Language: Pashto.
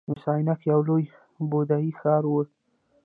مس عینک یو لوی بودايي ښار و